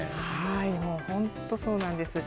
もう本当、そうなんです。